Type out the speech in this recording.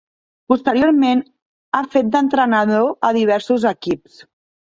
Posteriorment ha fet d'entrenador a diversos equips.